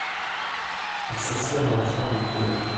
Elles s'assirent dans la chambre du colonel.